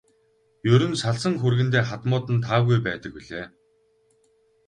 Ер нь салсан хүргэндээ хадмууд нь таагүй байдаг билээ.